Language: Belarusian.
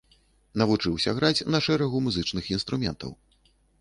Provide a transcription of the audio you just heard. Навучыўся граць на шэрагу музычных інструментаў.